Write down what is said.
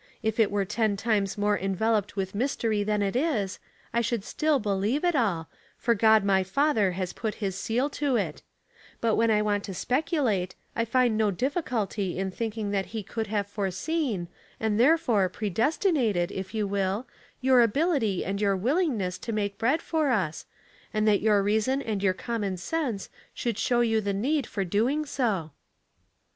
If it wsvo ten times more enveloped with mystery tnan it is, I should still believe it all, for God mj Father has put his seal to it; but when I want to speculate, I find no difficulty in thinking that he could have foreseen, and therefore predesti nated, if you will, your ability and your willing ness to make bread for us, and that your reason and your common sense would show you the need for doing so."